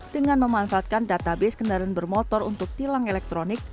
dengan memanfaatkan database kendaraan bermotor untuk tilang elektronik